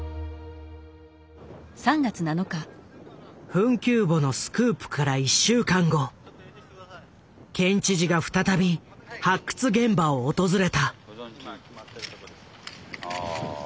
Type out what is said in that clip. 墳丘墓のスクープから１週間後県知事が再び発掘現場を訪れた。